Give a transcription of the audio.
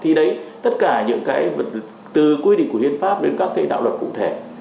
thì đấy tất cả những cái từ quy định của hiến pháp đến các cái đạo luật cụ thể